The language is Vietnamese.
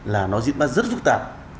là nó diễn ra rất phức tạp